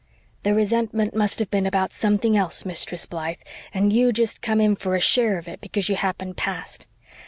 "The resentment must have been about something else, Mistress Blythe, and you jest come in for a share of it because you happened past.